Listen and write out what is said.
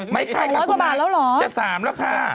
ไม่ใช่ค่ะคุณไอ้จะ๓ราคา